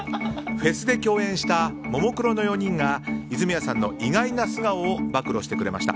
フェスで共演したももクロの４人が泉谷さんの意外な素顔を暴露してくれました。